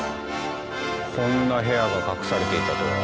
こんな部屋が隠されていたとは。